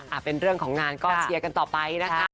เป็นเรื่องของงานก็เชียร์กันต่อไปนะคะ